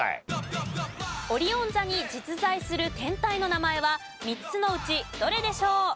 オリオン座に実在する天体の名前は３つのうちどれでしょう？